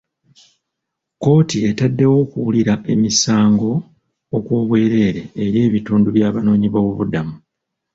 Kkooti etaddewo okuwulira emisango okw'obwereere eri ebitundu by'Abanoonyiboobubudamu.